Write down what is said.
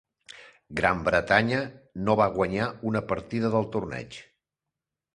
Gran Bretanya no va guanyar una partida del torneig.